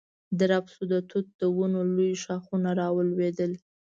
درب شو، د توت د ونو لوی ښاخونه را ولوېدل.